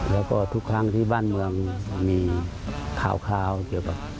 แล้วก็ทุกครั้งที่บ้านเมืองมีข่าวเกี่ยวกับ